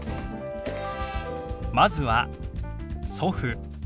まずは「祖父」。